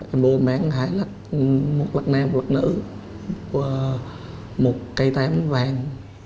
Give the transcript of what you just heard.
anh bô mang hai lạc một lạc nam một lạc nữ một cây tám vàng